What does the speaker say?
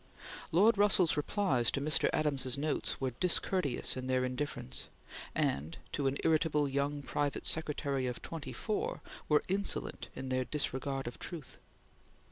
Lord Russell's replies to Mr. Adams's notes were discourteous in their indifference, and, to an irritable young private secretary of twenty four, were insolent in their disregard of truth.